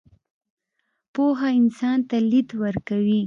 پوهه انسان ته لید ورکوي.